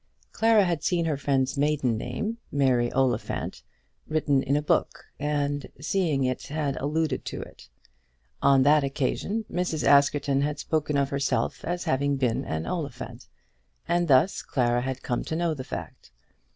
Clara had seen her friend's maiden name, Mary Oliphant, written in a book, and seeing it had alluded to it. On that occasion Mrs. Askerton had spoken of herself as having been an Oliphant, and thus Clara had come to know the fact.